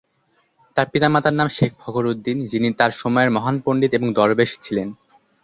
তার পিতার নাম শেখ ফখর উদ্দিন, যিনি তার সময়ের মহান পণ্ডিত এবং দরবেশ ছিলেন।